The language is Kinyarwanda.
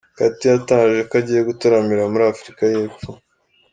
Katty yatangaje ko agiye gutaramira muri Afurika y’Epfo.